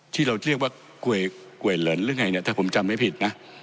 ที่เราเรียกว่ากล้วยเหลินหรือไงเนี่ยถ้าผมจำไม่ผิดนะ